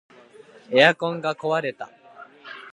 エアコンが壊れた